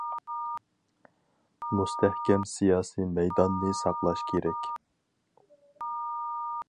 مۇستەھكەم سىياسىي مەيداننى ساقلاش كېرەك.